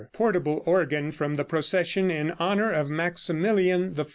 44. PORTABLE ORGAN FROM THE PROCESSION IN HONOR OF MAXIMILIAN I.